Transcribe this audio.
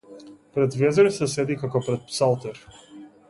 Пред везир се седи како пред псалтир!